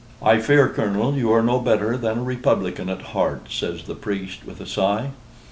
"I fear, Colonel, you are no better than a republican at heart," says the priest with a sigh.